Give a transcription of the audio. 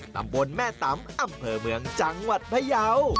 ตำบลแม่ตำอำเภอเมืองจังหวัดพยาว